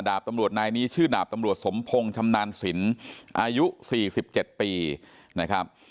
ดาบตำรวจนายนี้ชื่อดาบตำรวจสมพงศ์ชำนาญสินอายุ๔๗ปีนะครับ